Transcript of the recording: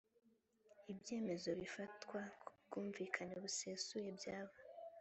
ibyemezo bifatwa ku bwumvikane busesuye byaba